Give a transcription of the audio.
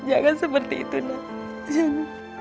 jangan seperti itu nek